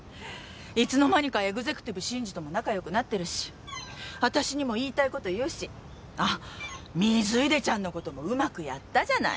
いつの間にかエグゼクティブ真二とも仲良くなってるし私にも言いたい事言うしあっ水出ちゃんの事もうまくやったじゃない。